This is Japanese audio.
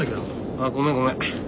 ああごめんごめん。